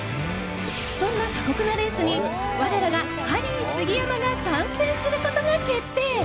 そんな過酷なレースに我らがハリー杉山が参戦することが決定。